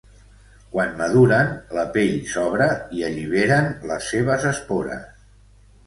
Quan maduren, la pell s'obre i alliberen les seves espores.